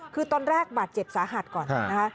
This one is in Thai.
คือตอนแรกบาดเจ็บสาหัสก่อนนะคะ